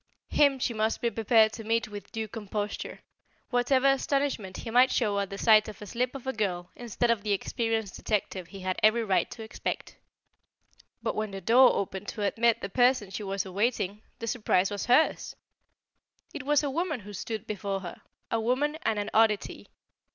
Him she must be prepared to meet with a due composure, whatever astonishment he might show at the sight of a slip of a girl instead of the experienced detective he had every right to expect. But when the door opened to admit the person she was awaiting, the surprise was hers. It was a woman who stood before her, a woman and an oddity.